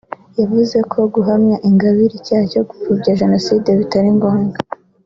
yavuze ko guhamya Ingabire icyaha cyo gupfobya Jenoside bitari ngombwa